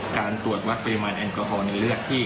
การตรวจวัดปริมาณแอลกอฮอลในเลือดที่